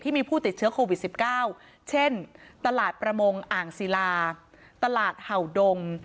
มีผู้ติดเชื้อโควิด๑๙เช่นตลาดประมงอ่างศิลาตลาดเห่าดง